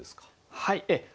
はい。